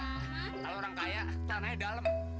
kalau orang kaya tanahnya dalem